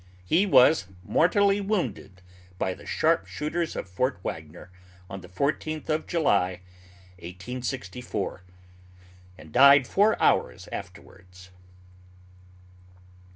He was mortally wounded by the sharp shooters of Fort Wagner, on the 14th of July, 1864, and died four hours afterwards.